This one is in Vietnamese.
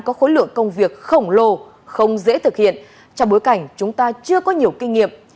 chưa có nhiều kinh nghiệm